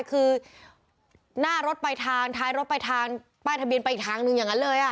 คือหน้ารถไปทางท้ายรถไปทางป้ายทะเบียนไปอีกทางหนึ่งอย่างนั้นเลย